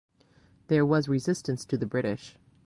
There was resistance to the British.